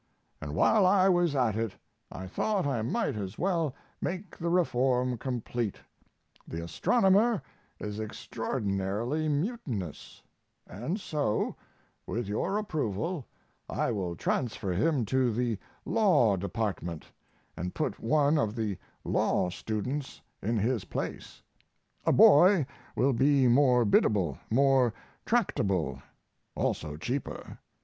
And while I was at it I thought I might as well make the reform complete; the astronomer is extraordinarily mutinous, and so, with your approval, I will transfer him to the law department and put one of the law students in his place. A boy will be more biddable, more tractable, also cheaper.